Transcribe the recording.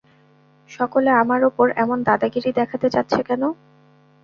সকলে আমার ওপর এমন দাদাগিরি দেখাতে চাচ্ছে কেন?